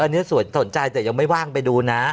อันนี้สนใจแต่ยังไม่ว่างไปดูนะ